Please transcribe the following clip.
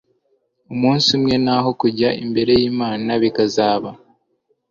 umunsi umwe naho kujya imbere yImana bikazaba